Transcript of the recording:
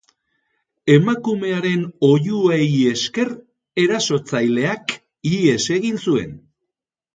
Emakumearen oihuei esker, erasotzaileak ihes egin zuen.